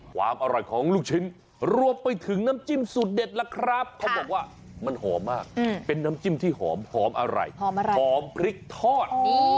ความอร่อยของลูกชิ้นรวมไปถึงน้ำจิ้มสูตรเด็ดล่ะครับเขาบอกว่ามันหอมมากเป็นน้ำจิ้มที่หอมอร่อยหอมอะไรหอมพริกทอด